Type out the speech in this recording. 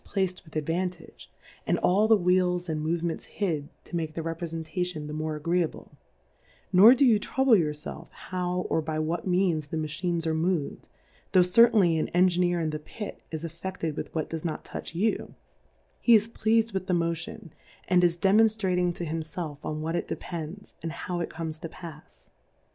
9 placed with Advantage, and all the Wheels and Movements hid, to make ,the Reprefentation the more agreeable : Nor do you trouble your felf how, or by what Means the Machines are mov'd, tho' certainly an Engineer in the Pit is afFe£ted with what does not touch you ; he is pleasM with the Mo tion, and is demonftrating to , himfelf on what it depends, and how it comes to pafs.